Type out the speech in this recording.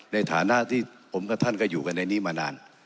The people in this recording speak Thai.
ในฐานะที่ผมกับท่านก็อยู่กันในนี้มานาน